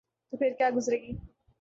تو پھرکیا گزرے گی؟